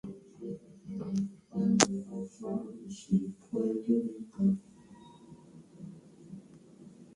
It is also used in electronics, electrical insulators and abrasives.